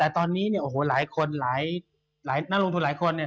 แต่ตอนนี้เนี่ยโอ้โหหลายคนหลายนักลงทุนหลายคนเนี่ย